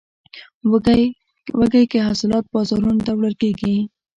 وږی کې حاصلات بازارونو ته وړل کیږي.